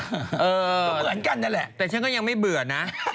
ก็เหมือนกันนั่นแหละแต่ฉันก็ยังไม่เบื่อนะ